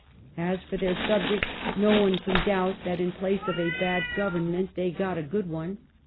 As for their subjects, no one can doubt that in place of a bad government they got a good one.